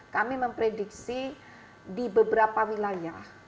kami memprediksi di beberapa wilayah